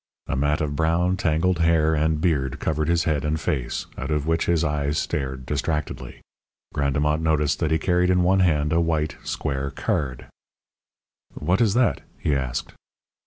A mat of brown, tangled hair and beard covered his head and face, out of which his eyes stared distractedly. Grandemont noticed that he carried in one hand a white, square card. "What is that?" he asked.